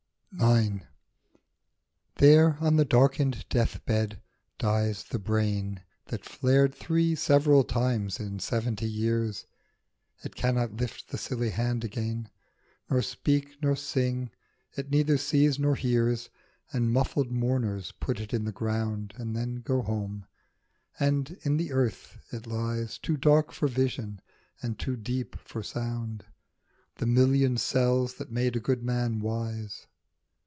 12 IX. THERE, on the darkened deathbed, dies the brain That flared three several times in seventy years. It cannot lift the silly hand again, Nor speak, nor sing, it neither sees nor hears; And muffled mourners put it in the ground And then go home, and in the earth it lies Too dark for vision and too deep for sound, The million cells that made a good man wise.